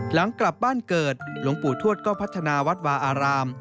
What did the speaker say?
หลังกลับบ้านเกิดหลวงปู่ทวดก็พัฒนาวัดวาอาราม